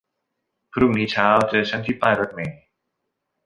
พรุ่งนี้เช้าเจอฉันที่ป้ายรถเมล์